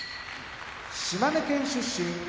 島根県出身